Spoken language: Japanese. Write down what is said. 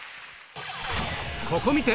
ここ観て！